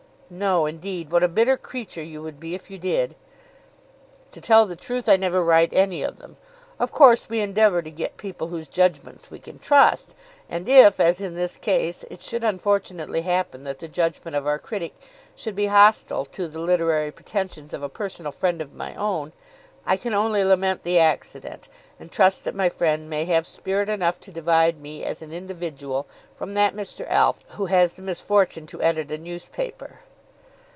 "No indeed. What a bitter creature you would be if you did." "To tell the truth, I never write any of them. Of course we endeavour to get people whose judgments we can trust, and if, as in this case, it should unfortunately happen that the judgment of our critic should be hostile to the literary pretensions of a personal friend of my own, I can only lament the accident, and trust that my friend may have spirit enough to divide me as an individual from that Mr. Alf who has the misfortune to edit a newspaper."